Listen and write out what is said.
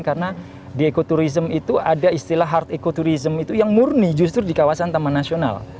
karena di ekoturism itu ada istilah hard ekoturism itu yang murni justru di kawasan taman nasional